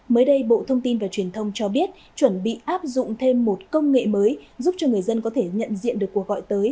mới đây bộ thông tin và truyền thông cho biết chuẩn bị áp dụng thêm một công nghệ mới giúp cho người dân có thể nhận diện được cuộc gọi tới